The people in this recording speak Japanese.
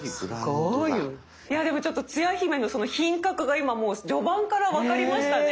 すごい！いやでもちょっとつや姫の品格が今もう序盤からわかりましたね。ね。